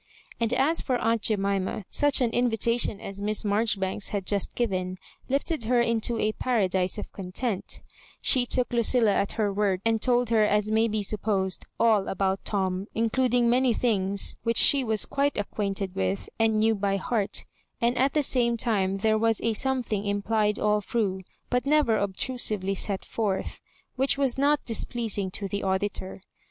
And as for aunt Jemima, such an invitation as Miss Marjoribanks had just given lifted her into a paradise of content She took Lucilla at her word, and told her, as may be supposed, (ill about Tom, including many things which she was quite acquainted with and knew by heart; and at the same time there was a something implied all through, but never ob trusively set forth, which was not displeasing to the auditor.